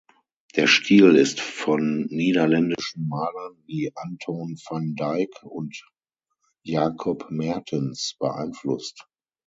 Der Stil ist von niederländischen Malern wie Antoon van Dyck und Jacob Mertens beeinflusst.